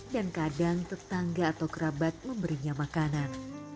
dan kadang tetangga atau kerabat memberinya makanan